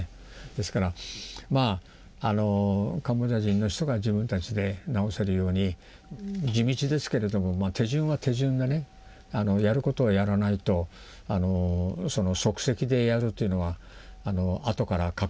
ですからまああのカンボジア人の人が自分たちで直せるように地道ですけれども手順は手順でねやることはやらないと即席でやるというのは後から禍根を残しますから。